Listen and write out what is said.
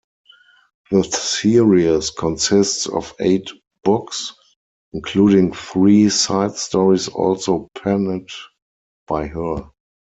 The series consists of eight books, including three side stories also penned by her.